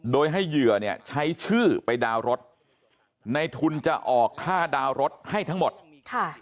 โดยให้เหยื่อเนี่ยใช้ชื่อไปดาวน์รถในทุนจะออกค่าดาวน์รถให้ทั้งหมดค่ะ